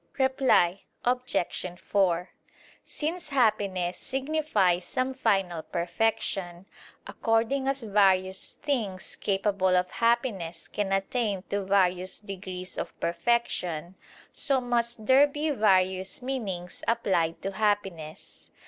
Reply Obj. 4: Since happiness signifies some final perfection; according as various things capable of happiness can attain to various degrees of perfection, so must there be various meanings applied to happiness.